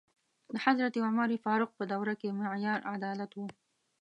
د حضرت عمر فاروق په دوره کې معیار عدالت و.